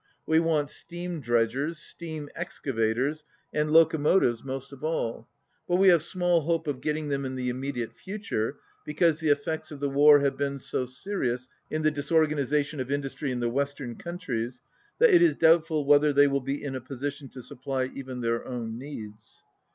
We want steam dredgers, steam excavators, and locomotives most of all, but we have small hope of getting them in the immediate future, because the effects of the war have been so serious in the disorganization of industry in the western countries that it is doubtful whether they will be in a position to supply even their own needs."